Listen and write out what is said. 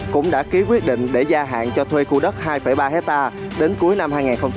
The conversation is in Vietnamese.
cũng đã ký quyết định để gia hạn cho thuê khu đất hai ba hectare đến cuối năm hai nghìn hai mươi